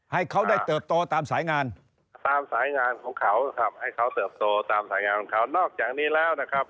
ให้เขาได้เติบโตตามสายงานตามสายงานของเขาทำให้เขาเติบโตตามสายงานของเขานอกจากนี้แล้วนะครับ